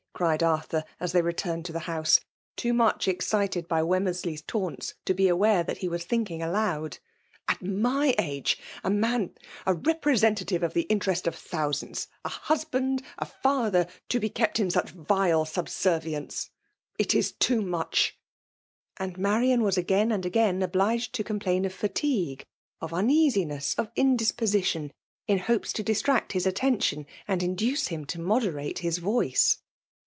cried Arthur, as they returned to the house ; too much excited by .Wemmers* ley 8 taunts to be aware that he was thinking aloud. " At my age, a man— a representative of the interests of thousands — a husband — a d2 62 FEMALE DOMINATION. father — to be kept in such vile subservience ! it is too much." And Marian was again and again obliged to eomplain of fatigue, of uneasiness, of indispo sition, in hopes to distract his attention, and induce him to moderate his voice.